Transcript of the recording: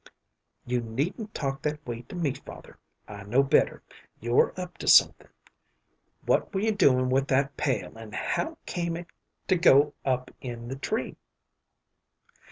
"You needn't talk that way to me, father; I know better. You're up to something. What were you doing with that pail, and how came it to go up in the tree?"